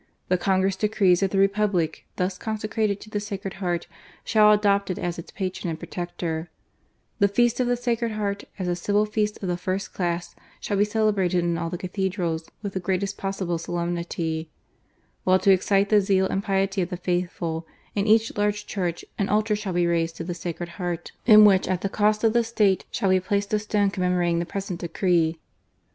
. the Congress decrees that the Republic thus consecrated to the Sacred Heart, shall adopt It as its Patron and Protector, The feast of the Sacred Heart, as a civil feast of the first class, shall be celebrated in all the Cathedrals with the greatest possible solemnity ; while to excite the zeal and piety of the faithful, in each large church an altar shall be raised to the Sacred Heart, in which at the cost of the State, shall be placed a stone commemorating the present decree."